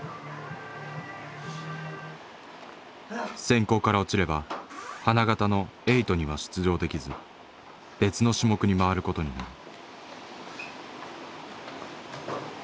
選考から落ちれば花形の「エイト」には出場できず別の種目に回ることになる。